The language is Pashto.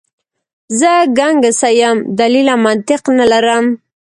زه ګنګسه یم، دلیل او منطق نه لرم.